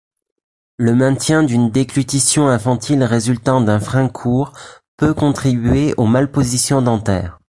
Le maintien d’une déglutition infantile résultant d’un frein court peut contribuer aux malpositions dentaires.